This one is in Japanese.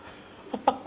ハハハ！